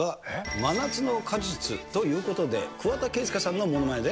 真夏の果実ということで、桑田佳祐さんのものまねで。